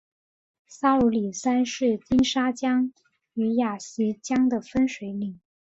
沙鲁里山是金沙江与雅砻江的分水岭。